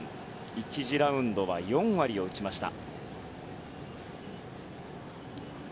１次ラウンドは４割を打ちました。